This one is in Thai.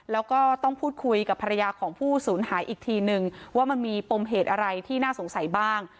แล้วก็ต้องพูดคุยกับภรรยาของผู้สูญหายอีกทีนึงว่ามันมีปมเหตุอะไรที่น่าสงสัยบ้าง